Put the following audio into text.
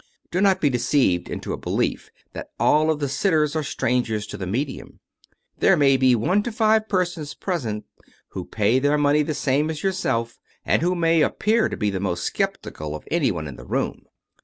Do not be deceived into a belief that all of the sitters are strangers to the medium. There may be from one to five persons present who pay their money the same as yourself, and who may appear to be the most skeptical of anyone in the room.